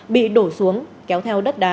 bị đổ xuống kéo theo đất đá